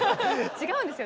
違うんですよ！